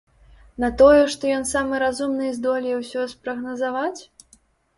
На тое, што ён самы разумны і здолее ўсё спрагназаваць?